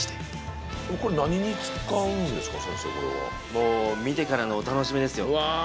もう見てからのお楽しみですよわ